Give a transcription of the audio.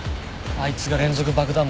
あいつが連続爆弾